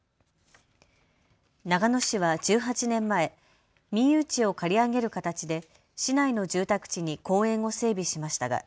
長野市は１８年前、民有地を借り上げる形で市内の住宅地に公園を整備しました。